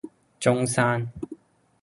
中山